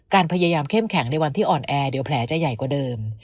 พยายามเข้มแข็งในวันที่อ่อนแอเดี๋ยวแผลจะใหญ่กว่าเดิม